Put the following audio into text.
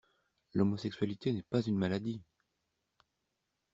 L'homosexualité n'est pas une maladie!